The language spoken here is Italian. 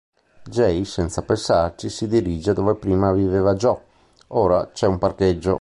Jay senza pensarci si dirige dove prima viveva Joe: ora c'è un parcheggio.